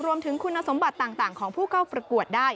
รวมถึงคุณสมบัติต่างของผู้เข้าประกวดได้